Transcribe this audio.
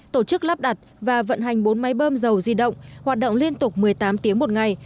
tổ chức lắp đặt và vận hành bốn máy bơm dầu di động hoạt động liên tục một mươi tám tiếng một ngày